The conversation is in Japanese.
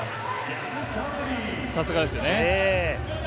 さすがですよね。